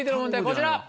こちら。